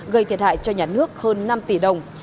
gây thiệt hại cho nhà nước hơn năm tỷ đồng